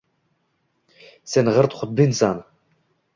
Sen g‘irt xudbinsan.